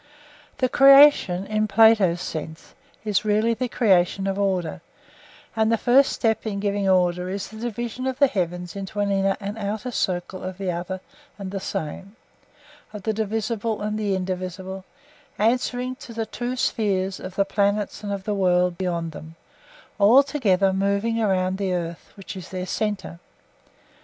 The creation, in Plato's sense, is really the creation of order; and the first step in giving order is the division of the heavens into an inner and outer circle of the other and the same, of the divisible and the indivisible, answering to the two spheres, of the planets and of the world beyond them, all together moving around the earth, which is their centre.